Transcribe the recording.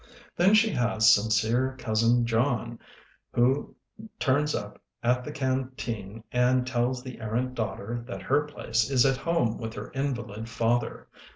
Then she has Sincere Cousin John, who turns up at the canteen and tells the errant daughter that her place is at home with her invalid father.